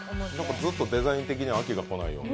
ずっとデザイン的に飽きが来ないような。